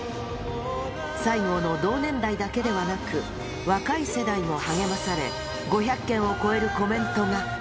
西郷の同年代だけでなく、若い世代にも励まされ、５００件を超えるコメントが。